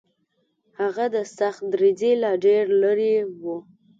هغه د سختدریځۍ لا ډېر لرې و.